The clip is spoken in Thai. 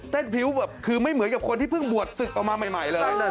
พริ้วแบบคือไม่เหมือนกับคนที่เพิ่งบวชศึกออกมาใหม่เลย